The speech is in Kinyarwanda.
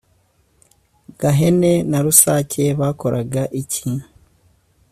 gahene na rusake bakoraga iki?